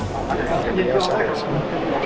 bapak ibu yang terhormat